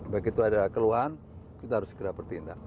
begitu ada keluhan kita harus segera bertindak